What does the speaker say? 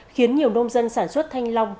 khiến nhiều nông dân sản xuất thanh long